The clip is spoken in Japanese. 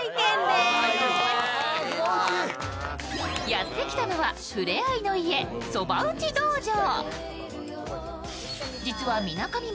やってきたのは、ふれあいの家そば打ち道場。